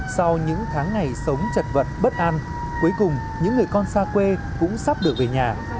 sau những tháng ngày sống chật vật bất an cuối cùng những người con xa quê cũng sắp được về nhà